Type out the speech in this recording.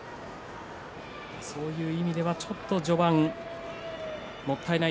そういう意味ではちょっと序盤もったいない